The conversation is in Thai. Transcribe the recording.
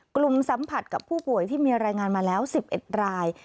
กลุ่มสัมผัสกับผู้ป่วยที่มีรายงานมาแล้ว๑๑ราย